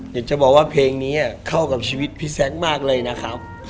อยากจะบอกว่าเพลงนี้เข้ากับชีวิตพี่แซ้งมากเลยนะครับ